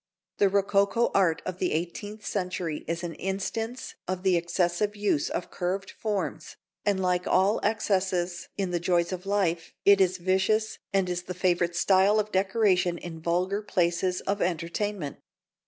The rococo art of the eighteenth century is an instance of the excessive use of curved forms, and, like all excesses in the joys of life, it is vicious and is the favourite style of decoration in vulgar places of entertainment.